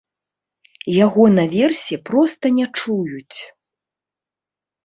Яго наверсе проста не чуюць.